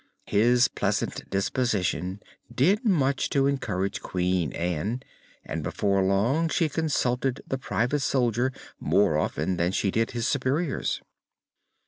His pleasant disposition did much to encourage Queen Ann and before long she consulted the Private Soldier more often than she did his superiors.